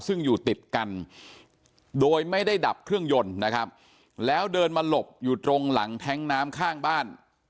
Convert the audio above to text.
ซึ่งอยู่ติดกันโดยไม่ได้ดับเครื่องยนต์นะครับแล้วเดินมาหลบอยู่ตรงหลังแท้งน้ำข้างบ้าน